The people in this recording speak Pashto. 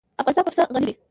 افغانستان په پسه غني دی.